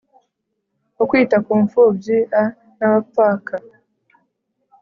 ukwita ku mfubyi a n abapfaka